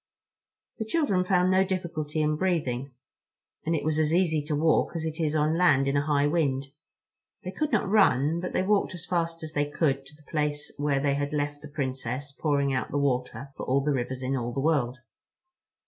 The children found no difficulty in breathing, and it was as easy to walk as it is on land in a high wind. They could not run, but they walked as fast as they could to the place where they had left the Princess pouring out the water for all the rivers in all the world.